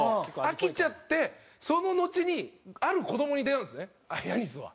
飽きちゃってそののちにある子どもに出会うんですねヤニスは。